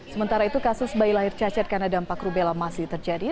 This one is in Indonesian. sementara itu kasus bayi lahir cacat karena dampak rubella masih terjadi